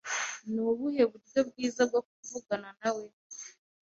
Nubuhe buryo bwiza bwo kuvugana nawe?